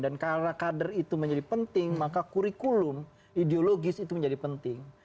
dan karena kader itu menjadi penting maka kurikulum ideologis itu menjadi penting